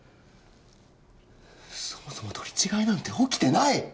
そもそも取り違えなんて起きてない！